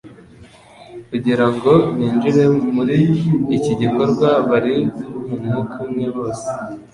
kugira ngo binjire muri iki gikorwa bari mu mwuka umwe bose